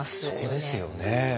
そこですよね。